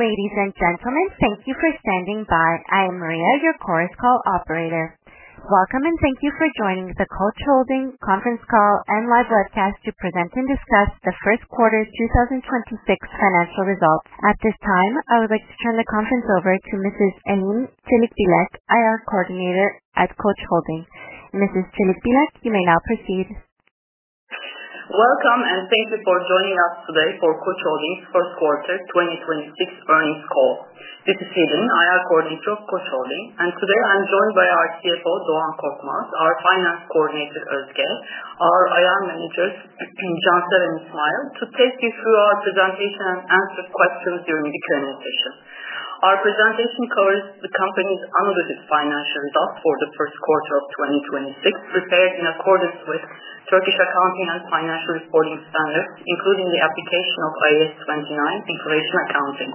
Ladies and gentlemen, thank you for standing by. I am Maria, your chorus call operator. Welcome, and thank you for joining the Koç Holding conference call and live webcast to present and discuss the first quarter 2026 financial results. At this time, I would like to turn the conference over to Mrs. Helin Çelikbilek, IR coordinator at Koç Holding. Mrs. Çelikbilek, you may now proceed. Welcome. Thank you for joining us today for Koç Holding's first quarter 2026 earnings call. This is Helin, IR Coordinator of Koç Holding. Today I'm joined by our CFO, Doğan Korkmaz, our Finance Coordinator, Özge, our IR Managers, Cansel and Ismail, to take you through our presentation and answer questions during the Q&A session. Our presentation covers the company's unaudited financial results for the first quarter of 2026, prepared in accordance with Turkish accounting and financial reporting standards, including the application of IAS 29, inflation accounting.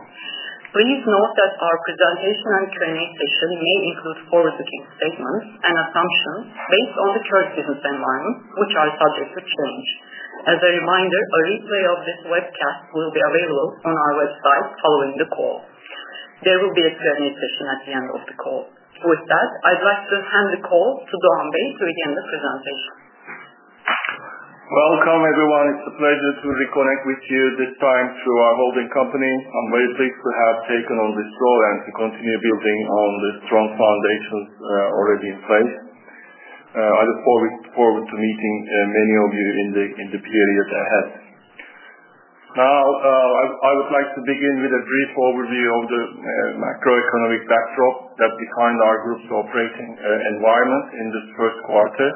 Please note that our presentation and Q&A session may include forward-looking statements and assumptions based on the current business environment, which are subject to change. As a reminder, a replay of this webcast will be available on our website following the call. There will be a Q&A session at the end of the call. With that, I'd like to hand the call to Doğan to begin the presentation. Welcome, everyone. It's a pleasure to reconnect with you this time through our holding company. I'm very pleased to have taken on this role and to continue building on the strong foundations already in place. I look forward to meeting many of you in the period ahead. I would like to begin with a brief overview of the macroeconomic backdrop that defined our group's operating environment in this first quarter.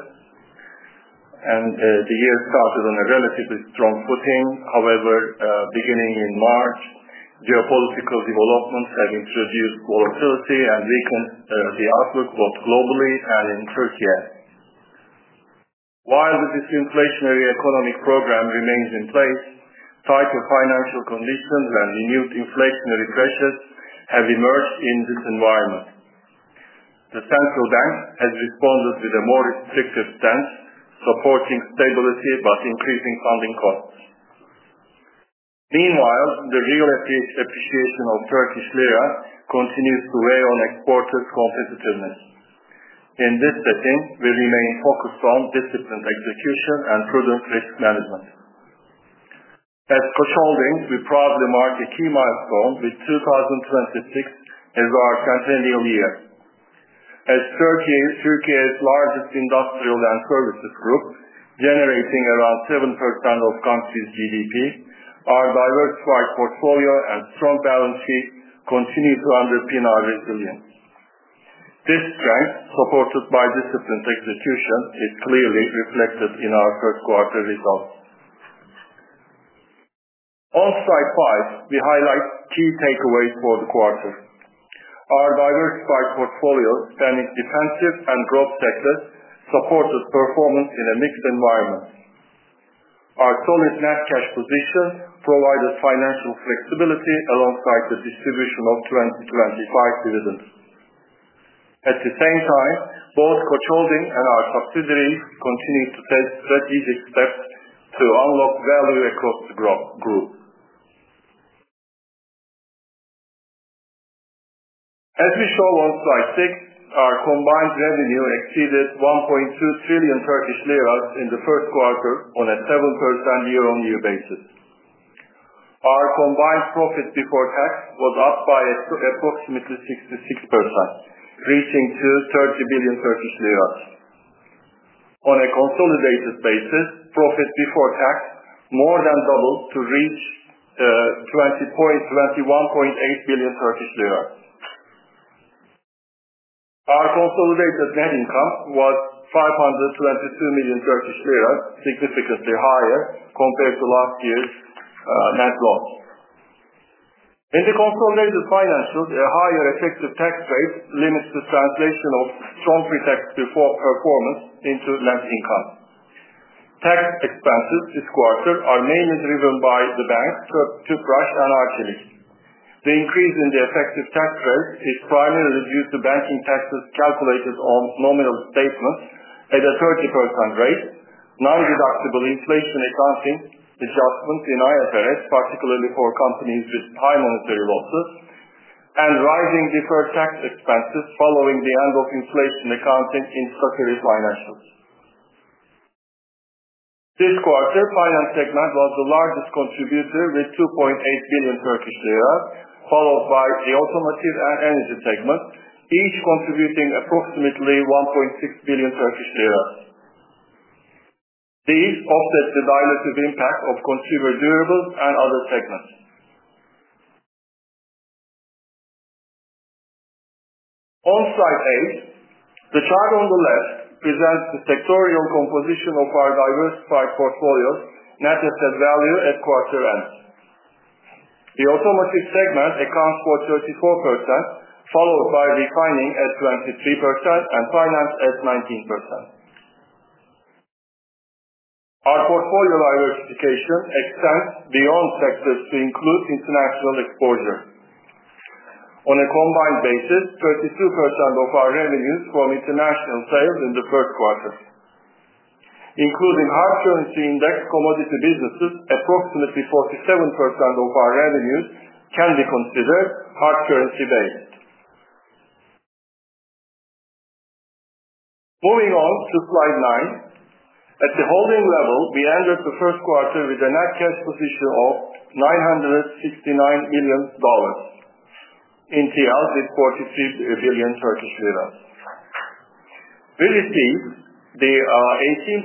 The year started on a relatively strong footing. However, beginning in March, geopolitical developments have introduced volatility and weakened the outlook both globally and in Turkey. While the disinflationary economic program remains in place, tighter financial conditions and renewed inflationary pressures have emerged in this environment. The central bank has responded with a more restrictive stance, supporting stability but increasing funding costs. Meanwhile, the real appreciation of Turkish lira continues to weigh on exporters' competitiveness. In this setting, we remain focused on disciplined execution and prudent risk management. As Koç Holding, we proudly mark a key milestone with 2026 as our centennial year. As Turkey's largest industrial and services group, generating around 7% of country's GDP, our diversified portfolio and strong balance sheet continue to underpin our resilience. This strength, supported by disciplined execution, is clearly reflected in our first quarter results. On slide five, we highlight key takeaways for the quarter. Our diversified portfolio spanning defensive and growth sectors supported performance in a mixed environment. Our solid net cash position provided financial flexibility alongside the distribution of 2025 dividends. At the same time, both Koç Holding and our subsidiaries continue to take strategic steps to unlock value across the group. As we show on slide six, our combined revenue exceeded 1.2 trillion Turkish lira in the first quarter on a 7% year-on-year basis. Our combined profit before tax was up by approximately 66%, reaching to 30 billion Turkish lira. On a consolidated basis, profit before tax more than doubled to reach 21.8 billion Turkish lira. Our consolidated net income was 522 million Turkish lira, significantly higher compared to last year's net loss. In the consolidated financials, a higher effective tax rate limits the translation of strong pre-tax before performance into net income. Tax expenses this quarter are mainly driven by Yapı Kredi and Arçelik. The increase in the effective tax rate is primarily due to banking taxes calculated on nominal statements at a 30% rate. Non-deductible inflation accounting adjustments in IFRS, particularly for companies with high monetary losses, and rising deferred tax expenses following the end of inflation accounting in subsidiary financials. This quarter, Finance segment was the largest contributor with 2.8 billion Turkish lira, followed by the Automotive and Energy segment, each contributing approximately 1.6 billion Turkish lira. These offset the dilutive impact of Consumer Durables and Other segments. On slide eight, the chart on the left presents the sectorial composition of our diversified portfolio net asset value at quarter end. The Automotive segment accounts for 34%, followed by Refining at 23% and Finance at 19%. Our portfolio diversification extends beyond sectors to include international exposure. On a combined basis, 32% of our revenues from international sales in the first quarter. Hard currency index commodity businesses, approximately 47% of our revenues can be considered hard currency based. Moving on to slide nine. At the holding level, we ended the first quarter with a net cash position of $969 million. In TL, it's 46 billion Turkish lira. We received the 18.8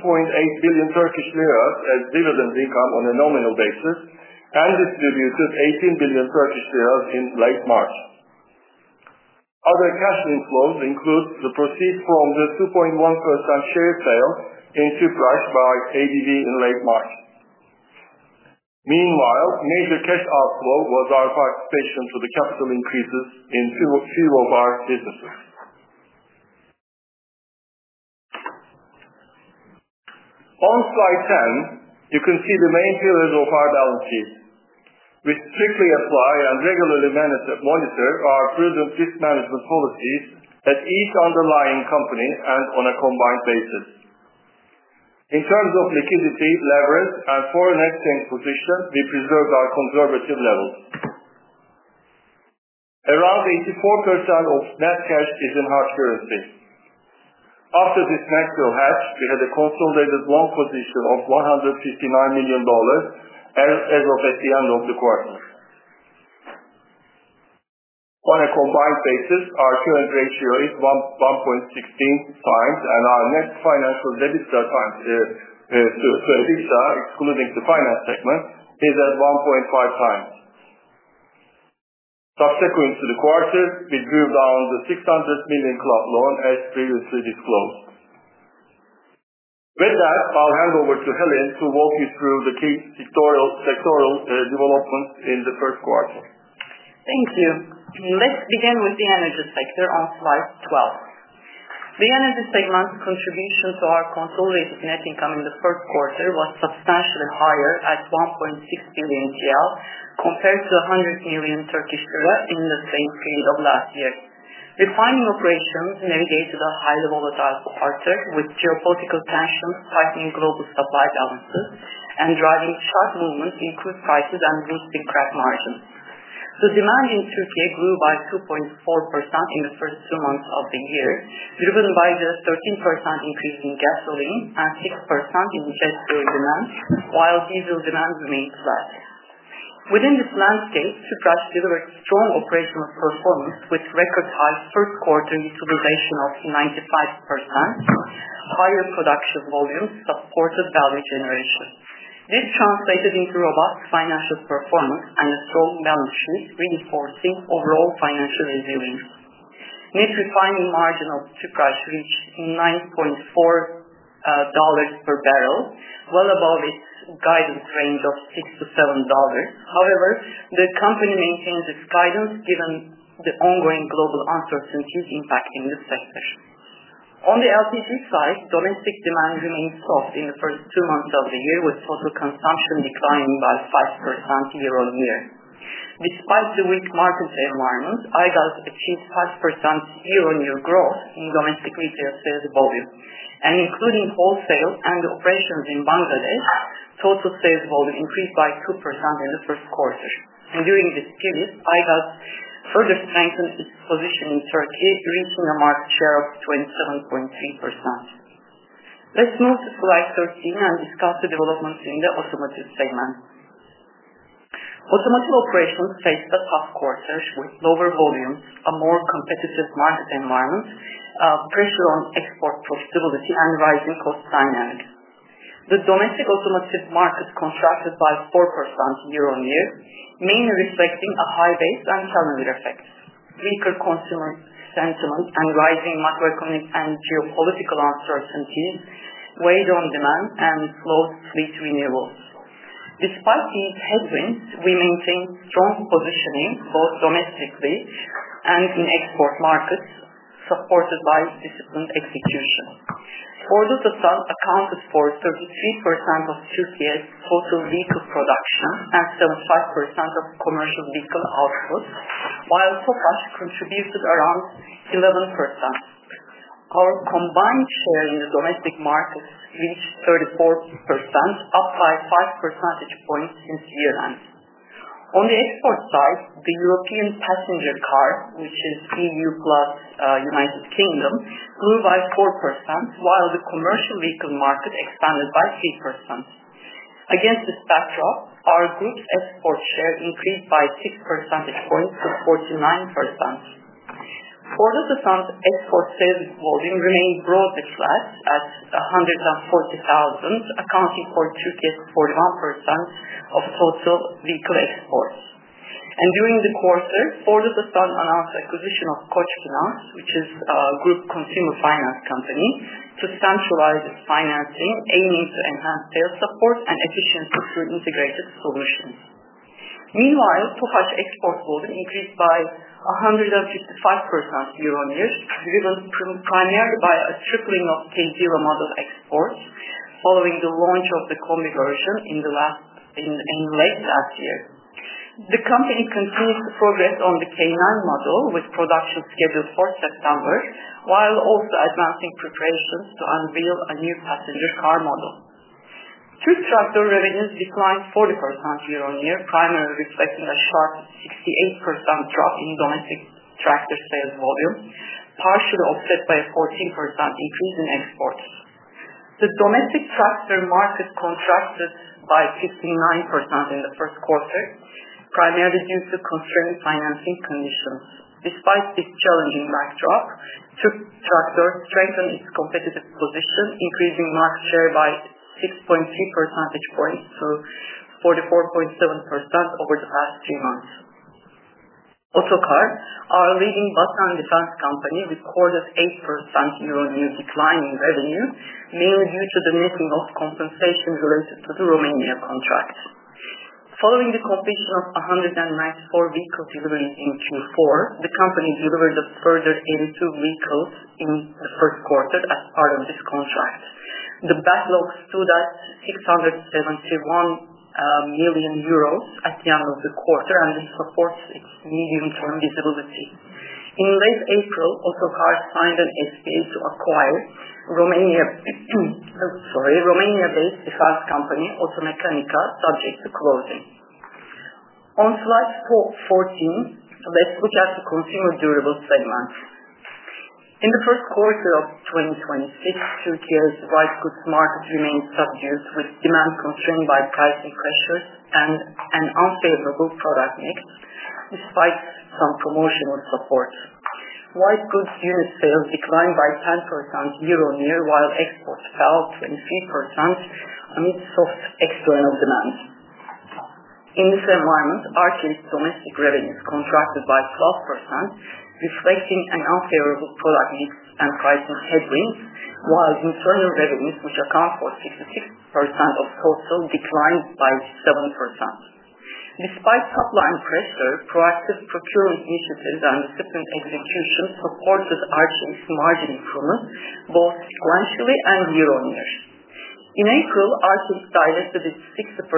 billion Turkish lira as dividend income on a nominal basis and distributed 18 billion Turkish lira in late March. Other cash inflows include the proceed from the 2.1% share sale in Tüpraş by ABB in late March. Meanwhile, major cash outflow was our participation for the capital increases in two of our businesses. On slide 10, you can see the main pillars of our balance sheet. We strictly apply and regularly monitor our prudent risk management policies at each underlying company and on a combined basis. In terms of liquidity leverage and foreign exchange position, we preserved our conservative levels. Around 84% of net cash is in hard currency. After this natural hedge, we had a consolidated loan position of $159 million as of at the end of the quarter. On a combined basis, our current ratio is 1.16x, and our net financial debt to EBITDA excluding the finance segment is at 1.5x. Subsequent to the quarter, we drew down the $600 million club loan as previously disclosed. With that, I'll hand over to Helin to walk you through the key sectoral development in the first quarter. Thank you. Let's begin with the energy sector on slide 12. The energy segment contribution to our consolidated net income in the first quarter was substantially higher at 1.6 billion TL compared to 100 million Turkish lira in the same period of last year. Refining operations navigated a highly volatile quarter, with geopolitical tensions tightening global supply balances and driving sharp movements in crude prices and boosting crack margins. The demand in Turkey grew by 2.4% in the first two months of the year, driven by the 13% increase in gasoline and 6% in jet fuel demand, while diesel demand remains flat. Within this landscape, Tüpraş delivered strong operational performance, which record high first quarter utilization of 95%. Higher production volumes supported value generation. This translated into robust financial performance and a strong balance sheet, reinforcing overall financial resilience. Net refining margin of Tüpraş reached $9.4 per barrel, well above its guidance range of $6-$7. However, the company maintains its guidance given the ongoing global uncertainties impacting the sector. On the LPG side, domestic demand remains soft in the first two months of the year, with total consumption declining by 5% year-on-year. Despite the weak market environment, Aygaz achieved 5% year-on-year growth in domestic retail sales volume. Including wholesale and operations in Bangladesh, total sales volume increased by 2% in the first quarter. During this period, Aygaz further strengthened its position in Turkey, reaching a market share of 27.3%. Let's move to slide 13 and discuss the developments in the automotive segment. Automotive operations faced a tough quarter with lower volumes, a more competitive market environment, pressure on export profitability and rising cost dynamics. The domestic automotive market contracted by 4% year-on-year, mainly reflecting a high base and calendar effects. Weaker consumer sentiment and rising macroeconomic and geopolitical uncertainties weighed on demand and slow fleet renewals. Despite these headwinds, we maintain strong positioning both domestically and in export markets, supported by disciplined execution. Ford Otosan accounted for 33% of Turkey's total vehicle production and 75% of commercial vehicle output, while Tofaş continues to contribute around 11%. Our combined share in the domestic market reached 34%, up by 5 percentage points since year-end. On the export side, the European passenger car, which is EU plus United Kingdom, grew by 4%, while the commercial vehicle market expanded by 3%. Against this backdrop, our group export share increased by 6 percentage points to 49%. Ford Otosan export sales volume remained broadly flat at 140,000, accounting for Turkey's 41% of total vehicle exports. During the quarter, Ford Otosan announced acquisition of Koçfinans, which is a group consumer finance company, to centralize its financing, aiming to enhance sales support and efficiency through integrated solutions. Meanwhile, Tofaş export volume increased by 155% year-on-year, driven primarily by a tripling of K zero model exports following the launch of the combi version in late last year. The company continues to progress on the K9 model with production scheduled for September, while also advancing preparations to unveil a new passenger car model. TürkTraktör revenues declined 40% year-on-year, primarily reflecting a sharp 68% drop in domestic tractor sales volume, partially offset by a 14% increase in exports. The domestic tractor market contracted by 59% in the first quarter, primarily due to constrained financing conditions. Despite this challenging backdrop, TürkTraktör strengthened its competitive position, increasing market share by 6.3 percentage points to 44.7% over the past three months. Otokar, our leading bus and defense company, recorded 8% year-on-year decline in revenue, mainly due to the missing of compensation related to the Romania contract. Following the completion of 194 vehicles delivered in Q4, the company delivered a further 82 vehicles in the first quarter as part of this contract. The backlog stood at 671 million euros at the end of the quarter, and this supports its medium-term visibility. In late April, Otokar signed an SPA to acquire Romania-based defense company, Automecanica, subject to closing. On slide 14, let's switch out to consumer durables segment. In the 1st quarter of 2023, Türkiye's white goods market remained subdued, with demand constrained by pricing pressures and an unfavorable product mix despite some promotional support. White goods unit sales declined by 10% year-on-year, while exports fell 23% amid soft external demand. In this environment, Arçelik's domestic revenues contracted by 12%, reflecting an unfavorable product mix and pricing headwinds, while international revenues, which account for 66% of total, declined by 7%. Despite underlying pressure, proactive procurement initiatives and disciplined execution supported Arçelik's margin improvement, both sequentially and year-on-year. In April, Arçelik divested its 60%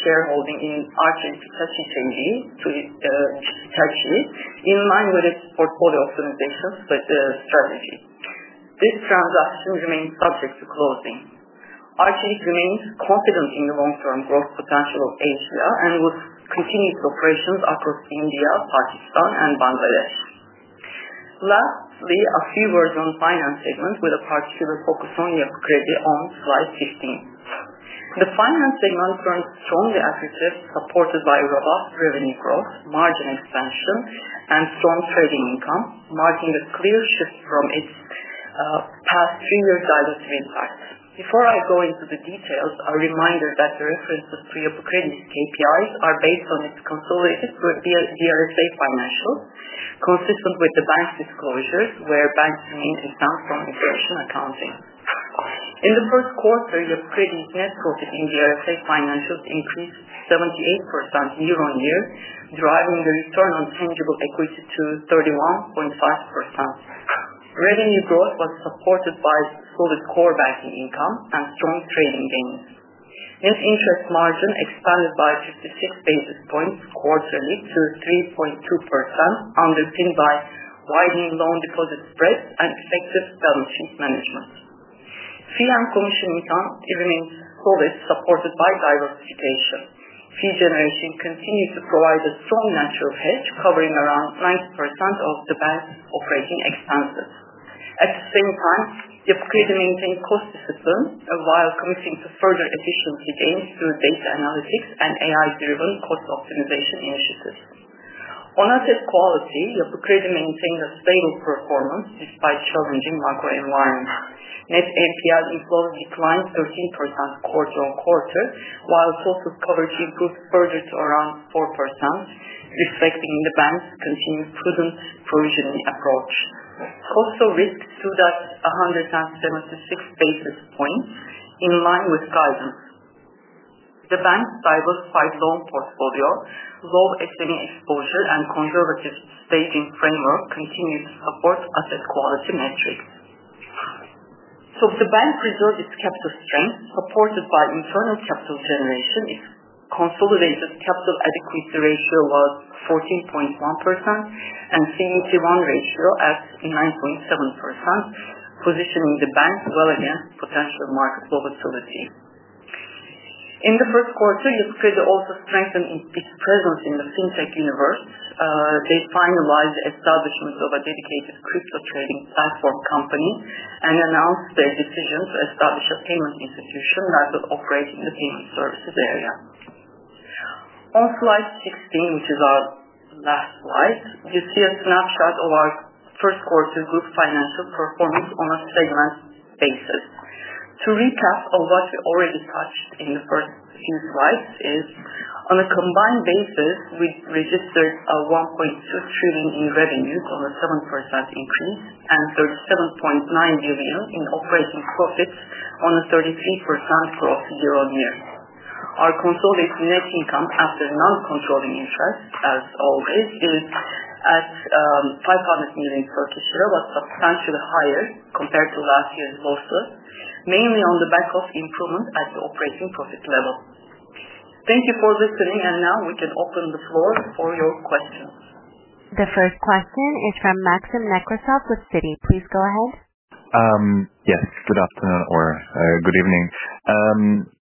shareholding in Arçelik Hitachi Ltd, to Hitachi, in line with its portfolio optimization strategy. This transaction remains subject to closing. Arçelik remains confident in the long-term growth potential of Asia and will continue to operations across India, Pakistan and Bangladesh. A few words on finance segment with a particular focus on Yapı Kredi on slide 15. The finance segment turned strongly as we said, supported by robust revenue growth, margin expansion and strong trading income, marking a clear shift from its past three-year value trend path. Before I go into the details, a reminder that the reference to Yapı Kredi's KPIs are based on its consolidated BRSA financials, consistent with the bank's disclosures, where banks remain exempt from IFRS accounting. In the first quarter, Yapı Kredi's net profit in BRSA financials increased 78% year-on-year, driving the return on tangible equity to 31.5%. Revenue growth was supported by solid core banking income and strong trading gains. Net interest margin expanded by 56 basis points quarterly to 3.2%, underpinned by widening loan deposit spreads and effective funding management. Fee and commission income remains robust, supported by diversification. Fee generation continued to provide a strong natural hedge, covering around 90% of the bank's operating expenses. At the same time, Yapı Kredi maintained cost discipline while committing to further efficiency gains through data analytics and AI-driven cost optimization initiatives. On asset quality, Yapı Kredi maintained a stable performance despite challenging macro environment. Net NPL ratio declined 13% quarter-on-quarter, while cost of coverage improved further to around 4%, reflecting the bank's continued prudent provisioning approach. Cost of risk stood at 176 basis points, in line with guidance. The bank's diversified loan portfolio, low external exposure and conservative staging framework continue to support asset quality metrics. The bank preserved its capital strength, supported by internal capital generation. Its consolidated capital adequacy ratio was 14.1% and CET1 ratio at 9.7%, positioning the bank well against potential market volatility. In the first quarter, Yapı Kredi also strengthened its presence in the fintech universe. They finalized the establishment of a dedicated crypto trading platform company and announced their decision to establish a payment institution rather operating the payment services area. On slide 16, which is our last slide, you see a snapshot of our first quarter group financial performance on a segment basis. To recap on what we already touched in the first few slides is, on a combined basis, we registered 1.6 trillion in revenues, on a 7% increase, and 37.9 billion in operating profits on a 33% growth year-over-year. Our consolidated net income after non-controlling interest, as always, is. At, 500 million was substantially higher compared to last year's also, mainly on the back of improvement at the operating profit level. Thank you for listening. Now we can open the floor for your questions. The first question is from Maxim Nekrasov with Citi. Please go ahead. Yes, good afternoon or good evening.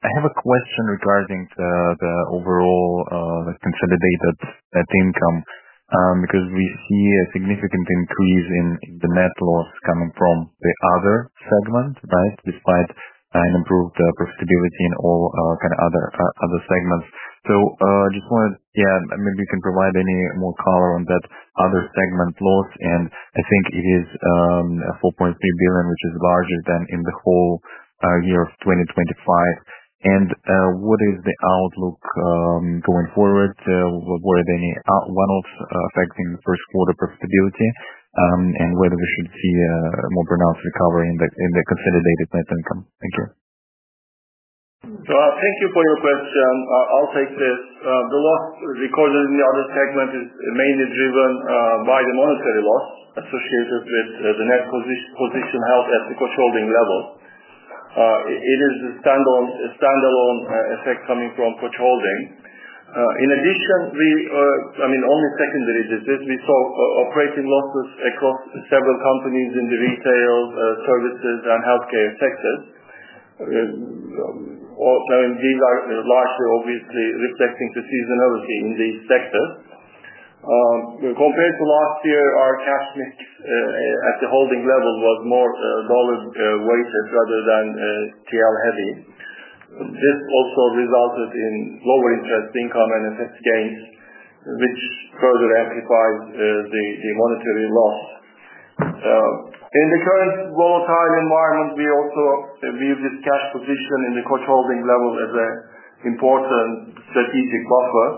I have a question regarding the overall consolidated net income because we see a significant increase in the net loss coming from the other segment, right? Despite an improved profitability in all kind of other segments. Just wondered, yeah, maybe you can provide any more color on that other segment loss. I think it is 4.3 billion, which is larger than in the whole year of 2025. What is the outlook going forward? Were there any out-one-offs affecting first quarter profitability? And whether we should see a more pronounced recovery in the consolidated net income. Thank you. Thank you for your question. I'll take this. The loss recorded in the other segment is mainly driven by the monetary loss associated with the net position held at the Koç Holding level. It is a standalone effect coming from Koç Holding. In addition, we, I mean, only secondarily is this. We saw operating losses across several companies in the retail, services and healthcare sectors. Also these are largely obviously reflecting the seasonality in these sectors. Compared to last year, our cash mix at the holding level was more dollar weighted rather than TL heavy. This also resulted in lower interest income and FX gains, which further amplified the monetary loss. In the current volatile environment, we also view this cash position in the Koç Holding level as a important strategic buffer,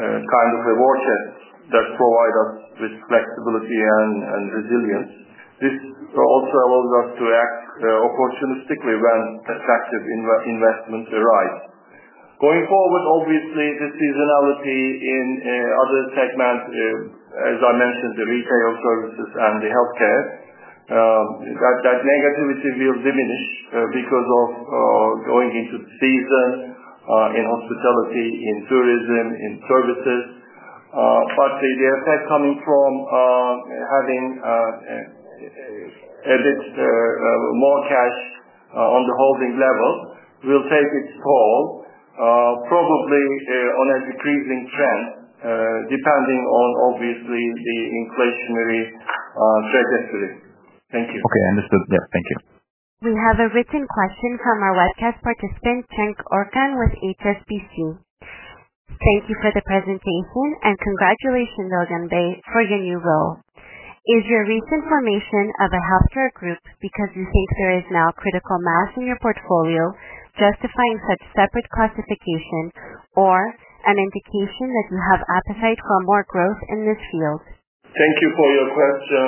kind of a war chest that provide us with flexibility and resilience. This also allows us to act opportunistically when attractive investments arise. Going forward, obviously the seasonality in other segments, as I mentioned, the retail services and the healthcare, that negativity will diminish because of going into season in hospitality, in tourism, in services. The effect coming from having a bit more cash on the holding level will take its toll, probably on a decreasing trend, depending on obviously the inflationary trajectory. Thank you. Okay. Understood. Yeah. Thank you. We have a written question from a webcast participant, Cenk Orcan with HSBC. Thank you for the presentation, and congratulations, Doğan, for your new role. Is your recent formation of a healthcare group because you think there is now critical mass in your portfolio justifying such separate classification or an indication that you have appetite for more growth in this field? Thank you for your question.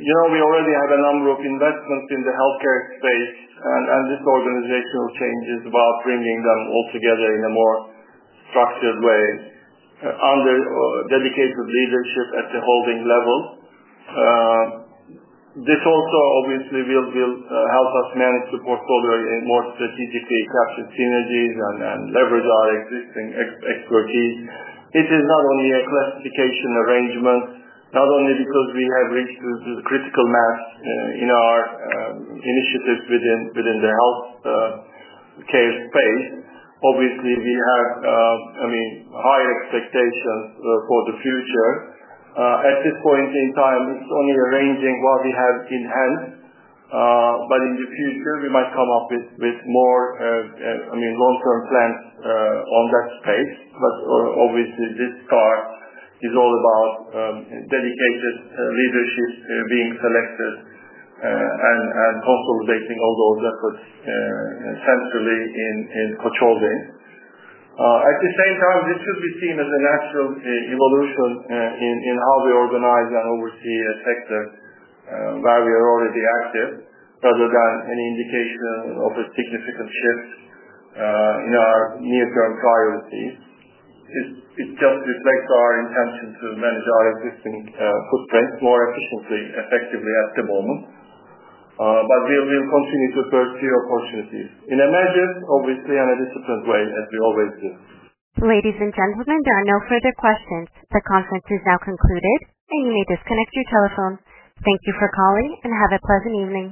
You know, we already have a number of investments in the healthcare space and this organizational change is about bringing them all together in a more structured way under dedicated leadership at the holding level. This also obviously will help us manage the portfolio more strategically, capture synergies and leverage our existing expertise. It is not only a classification arrangement, not only because we have reached the critical mass in our initiatives within the healthcare space. Obviously, we have, I mean, high expectations for the future. At this point in time, it's only arranging what we have in hand. In the future, we might come up with more, I mean, long-term plans on that space. Obviously this chart is all about, dedicated leadership being selected, and consolidating all those efforts, centrally in Koç Holding. At the same time, this should be seen as a natural, evolution, in how we organize and oversee a sector, where we are already active, rather than any indication of a significant shift, in our near-term priorities. It just reflects our intention to manage our existing, footprint more efficiently, effectively at the moment. We will continue to pursue opportunities in a measured, obviously in a disciplined way, as we always do. Ladies and gentlemen, there are no further questions. The conference is now concluded, and you may disconnect your telephone. Thank you for calling, and have a pleasant evening.